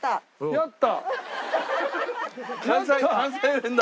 「やった」。